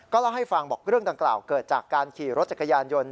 เล่าให้ฟังบอกเรื่องดังกล่าวเกิดจากการขี่รถจักรยานยนต์